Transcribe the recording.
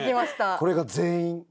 これが全員？